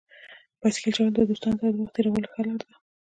بایسکل چلول د دوستانو سره د وخت تېرولو ښه لار ده.